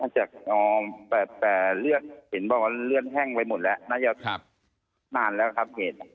แต่เลือดเห็นบอกว่าเลือดแห้งไว้หมดแล้วนานแล้วครับ